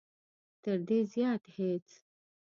تر دې زیات هېڅ.